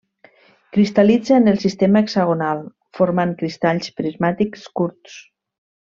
Cristal·litza en el sistema hexagonal, formant cristalls prismàtics curts.